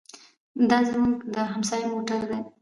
دا زموږ د همسایه موټر دی.